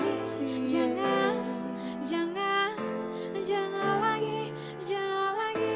jangan jangan jangan lagi jangan lagi